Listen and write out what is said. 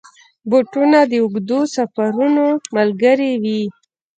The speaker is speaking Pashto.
بوټونه د اوږدو سفرونو ملګري وي.